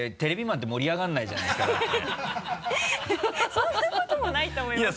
そんなこともないと思いますけどいや